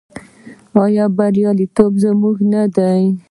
آیا بریالیتوب زموږ نه دی؟